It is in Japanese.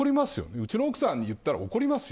うちの奥さんに言ったら怒りますよ。